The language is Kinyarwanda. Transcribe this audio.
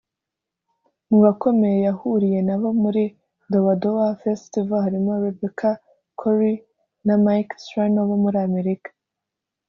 Mu bakomeye yahuriye na bo muri Doadoa Festival harimo Rebecca Corey na Mike Strano bo muri Amerika